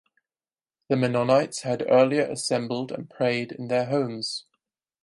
The Mennonites had earlier assembled and prayed in their homes.